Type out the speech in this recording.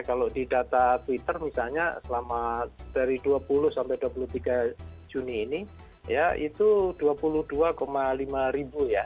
kalau di data twitter misalnya selama dari dua puluh sampai dua puluh tiga juni ini ya itu dua puluh dua lima ribu ya